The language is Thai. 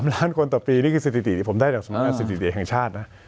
๓ล้านคนต่อปีนี่คือสถิติที่ผมได้จากสถิติเอกแห่งชาตินะ